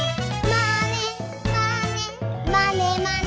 「まねまねまねまね」